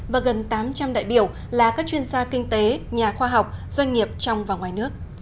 và gần tám trăm linh đại biểu là các chuyên gia kinh tế nhà khoa học doanh nghiệp trong và ngoài nước